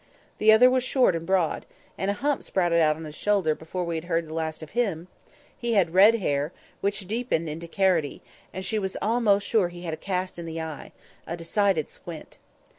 The other was short and broad—and a hump sprouted out on his shoulder before we heard the last of him; he had red hair—which deepened into carroty; and she was almost sure he had a cast in the eye—a decided squint.